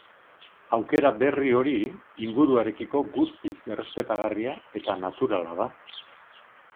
Aukera berri hori inguruarekiko guztiz errespetagarria eta naturala da.